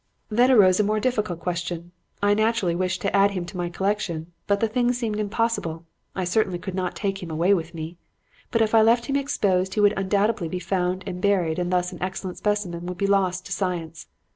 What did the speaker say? "Then arose a more difficult question. I naturally wished to add him to my collection; but the thing seemed impossible. I certainly could not take him away with me. But if I left him exposed, he would undoubtedly be found and buried and thus an excellent specimen would be lost to science.